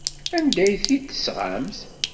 Anda ay t-id-tesɣamt?